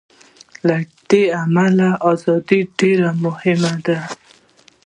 له دې امله ازادي ډېره مهمه ده.